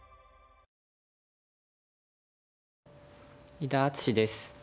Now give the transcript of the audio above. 伊田篤史です。